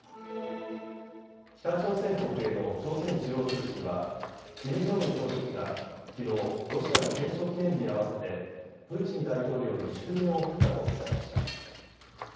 北朝鮮国営の朝鮮中央通信はキム・ジョンウン総書記がきのうロシアの戦勝記念日に合わせてプーチン大統領に祝電を送ったと伝えました。